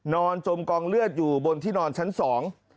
จมกองเลือดอยู่บนที่นอนชั้นสอง